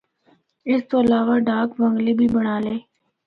اس تو علاوہ ’ڈاک بنگلے‘ بھی بنڑالے۔